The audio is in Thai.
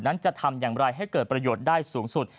นั้นจะทำอย่างไรให้เกิดประโยชน์ได้สูงสุด